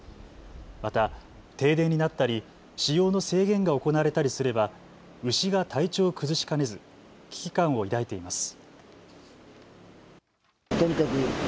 また停電になったり使用の制限が行われたりすれば牛が体調を崩しかねず危機感を抱いています。